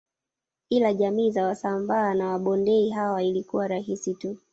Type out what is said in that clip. Ila jamii za wasambaa na wabondei hawa ilikuwa rahisi tu